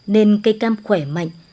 nên cây cam khỏe mạnh